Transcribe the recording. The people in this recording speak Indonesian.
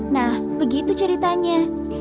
nah begitu ceritanya